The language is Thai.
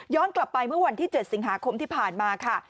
กลับไปเมื่อวันที่๗สิงหาคมที่ผ่านมาค่ะ